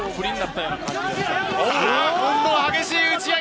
今度は激しい打ち合い！